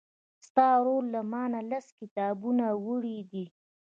ستا ورور له مانه لس کتابونه وړي دي.